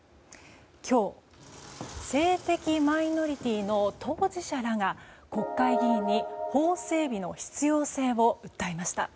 今日性的マイノリティーの当事者らが国会議員に法整備の必要性を訴えました。